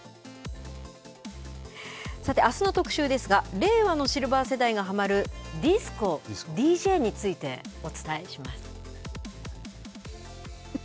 さて、あすの特集ですが、令和のシルバー世代がはまるディスコ、ＤＪについて、お伝えします。